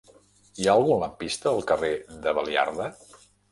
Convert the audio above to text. Hi ha algun lampista al carrer de Baliarda?